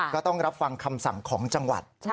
ก็ต้องรับฟังคำสั่งของจังหวัด